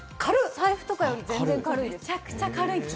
財布とかより全然軽い！